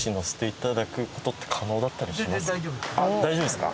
大丈夫ですか？